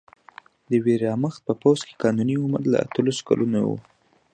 د ویرماخت په پوځ کې قانوني عمر له اتلسو کلونو و